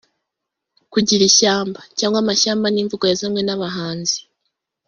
Kugirana ishyamba” cyangwa amashyamba ni imvugo yazanywe n’abahanzi